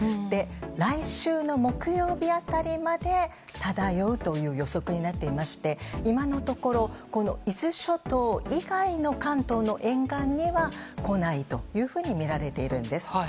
来週の木曜日あたりまで漂うという予測になっていまして、今のところ、この伊豆諸島以外の関東の沿岸には来ないというふうに見られているんです。